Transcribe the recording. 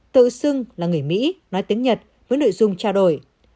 tự xưng là người mỹ nói tiếng nhật với nội dung trao đổi